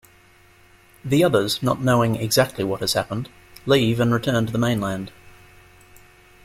The others, not knowing exactly what has happened, leave and return to the mainland.